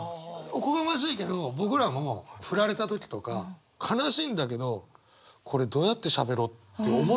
おこがましいけど僕らもフラれた時とか悲しいんだけどこれどうやってしゃべろうって思ってるもん。